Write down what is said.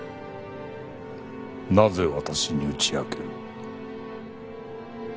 なぜ私に打ち明ける？